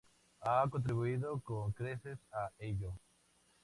Ha contribuido con creces a ello.